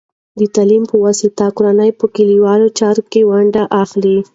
د تعلیم په واسطه، کورنۍ په کلیوالو چارو کې ونډه اخلي.